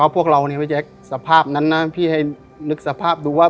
พวกเราเนี่ยพี่แจ๊คสภาพนั้นนะพี่ให้นึกสภาพดูว่า